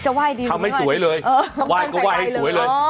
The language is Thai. ไหว้ดีทำให้สวยเลยไหว้ก็ไหว้ให้สวยเลย